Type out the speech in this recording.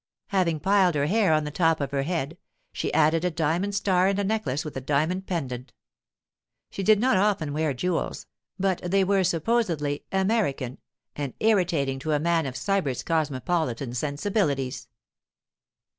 Having piled her hair on the top of her head, she added a diamond star and a necklace with a diamond pendant. She did not often wear jewels, but they were supposedly 'American' and irritating to a man of Sybert's cosmopolitan sensibilities.